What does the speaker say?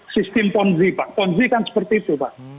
sistem ponzi pak ponzi kan seperti itu pak